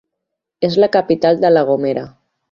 És la capital de La Gomera.